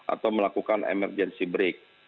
atau melakukan emergency break